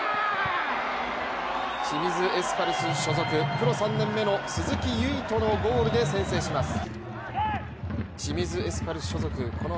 清水エスパルス所属、プロ３年目の鈴木唯人のゴールで先制します。